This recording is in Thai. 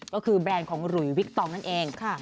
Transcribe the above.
ก็คือแบรนด์ของหลุยวิกตองนั่นเอง